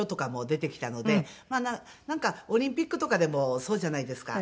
なんかオリンピックとかでもそうじゃないですか。